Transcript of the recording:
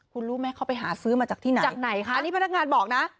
คุณหรูไม่เขาไปหาซื้อมาจากแผ่งไหนอันนี้พนักงานบอกนะ